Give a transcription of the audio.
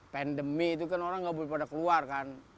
pandemi itu kan orang nggak boleh pada keluar kan